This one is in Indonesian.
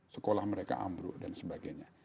sekolah mereka ambruk dan sebagainya